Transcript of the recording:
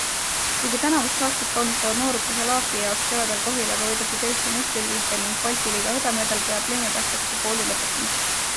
Kuigi tänavust aastat kaunistavad noorukese Laaki jaoks kevadel Kohilaga võidetud Eesti meistritiitel ning Balti liiga hõbemedal, peab neiu tähtsaks ka kooli lõpetamist.